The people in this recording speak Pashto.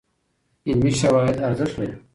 علمي شواهد ارزښت لري.